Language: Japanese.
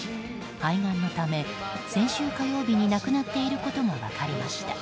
肺がんのため先週火曜日に亡くなっていることが分かりました。